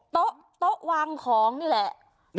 โต๊ะวางของนี่แหละ